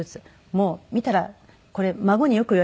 もう見たらこれ孫によく言われるんです。